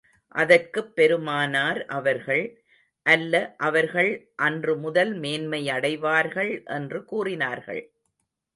அதற்குப் பெருமானார் அவர்கள், அல்ல அவர்கள் அன்று முதல் மேன்மை அடைவார்கள் என்று கூறினர்கள்.